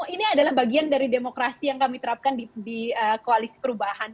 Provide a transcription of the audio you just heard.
ini adalah bagian dari demokrasi yang kami terapkan di koalisi perubahan